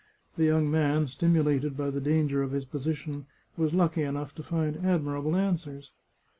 The young man, stimulated by the danger of his position, was lucky enough to find admirable answers.